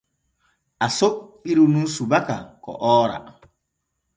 Aso ɓiru nun subaka ko oora.